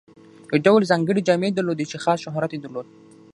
یو ډول ځانګړې جامې یې درلودې چې خاص شهرت یې درلود.